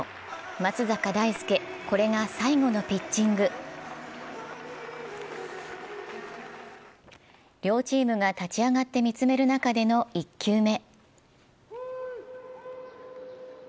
松坂大輔、これが最後のピッチング両チームが立ち上がって見つめる中での１球目。